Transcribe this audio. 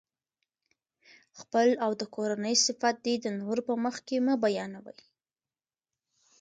خپل او د کورنۍ صفت دي د نورو په مخکي مه بیانوئ!